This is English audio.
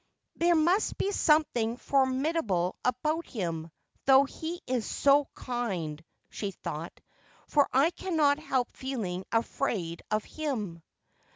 'There must be something formidable about him, though he is so kind,' she thought, ' for I cannot help feeling afraid of him.'